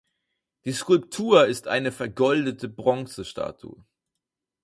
Die Skulptur ist eine vergoldete Bronzestatue.